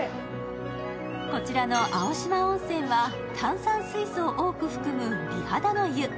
こちらの青島温泉は、炭酸水素を多く含む美肌の湯。